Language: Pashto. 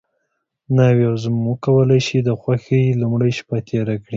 ناوې او زوم وکولی شي د خوښۍ لومړۍ شپه تېره کړي.